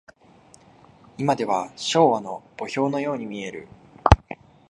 いまでは昭和の墓標のように見える。